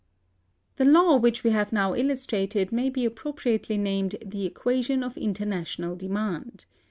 The law which we have now illustrated may be appropriately named the Equation of International Demand.